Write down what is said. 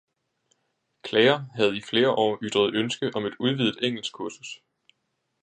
Klager havde i flere år ytret ønske om et udvidet engelskkursus.